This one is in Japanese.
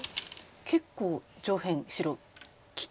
結構上辺白危険。